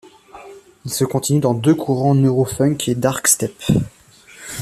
Il se continue dans deux courants Neurofunk et Darkstep.